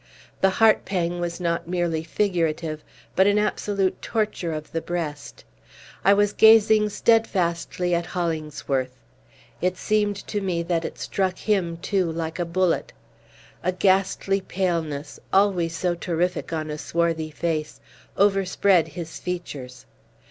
The heart pang was not merely figurative, but an absolute torture of the breast. I was gazing steadfastly at Hollingsworth. It seemed to me that it struck him, too, like a bullet. A ghastly paleness always so terrific on a swarthy face overspread his features.